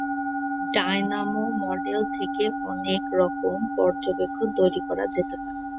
Dynamo model থেকে অনেক রকম পর্যবেক্ষণ তৈরি করা যেতে পারে।